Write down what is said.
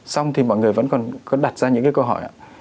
xong thì mọi người vẫn còn đặt ra những câu hỏi